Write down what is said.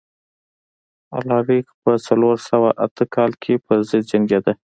الاریک په څلور سوه اته کال کې پرضد جنګېده.